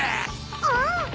［うん！